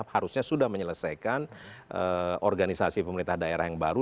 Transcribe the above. harusnya sudah menyelesaikan organisasi pemerintah daerah yang baru